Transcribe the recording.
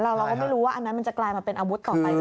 เราก็ไม่รู้ว่าอันนั้นมันจะกลายมาเป็นอาวุธต่อไปหรือเปล่า